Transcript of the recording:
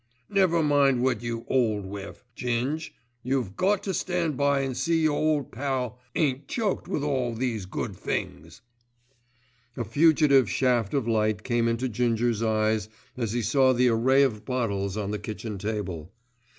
"Never mind what you 'old with, Ging, you've got to stand by and see your old pal ain't choked with all these good things." A fugitive shaft of light came into Ginger's eyes as he saw the array of bottles on the kitchen table.